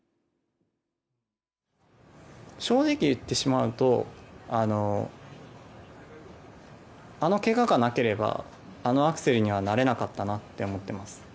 正直、言ってしまうとあのけががなければあのアクセルにはなれなかったなと思ってます。